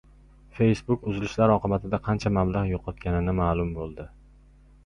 Facebook uzilishlar oqibatida qancha mablag‘ yo‘qotgani ma’lum bo‘ldi